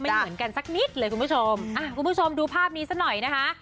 เหมือนกันสักนิดเลยคุณผู้ชมอ่ะคุณผู้ชมดูภาพนี้ซะหน่อยนะคะ